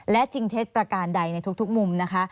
และจิงเทศประการใดในทุกมุม